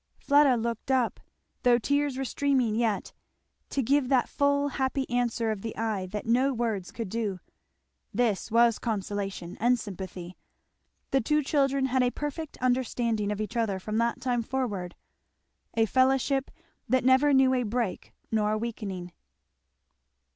Fleda looked up, though tears were streaming yet, to give that full happy answer of the eye that no words could do. This was consolation and sympathy. The two children had a perfect understanding of each other from that time forward; a fellowship that never knew a break nor a weakening.